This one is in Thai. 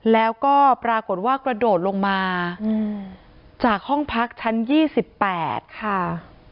แล้วก็ปรากฏว่ากระโดดลงมาจากห้องพักชั้น๒๘ค่ะ